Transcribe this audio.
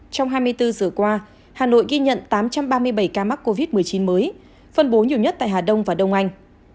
trong hai mươi bốn giờ qua hà nội ghi nhận tám trăm ba mươi bảy ca mắc covid một mươi chín mới phân bố nhiều nhất tại hà đông và đông anh